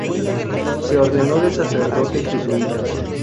Se ordenó de sacerdote jesuita.